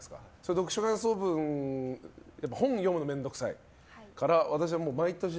読書感想文本を読むの面倒くさいから私は毎年。